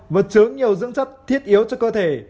vật chứa nhiều dưỡng chất thiết yếu cho cơ thể